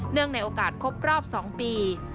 เนื่องในโอกาสครบครอบ๒ปี